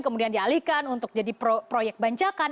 kemudian dialihkan untuk jadi proyek banjakan